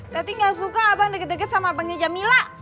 tati gak suka abang deget deget sama abangnya jamila